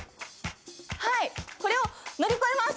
はいこれを乗り越えます。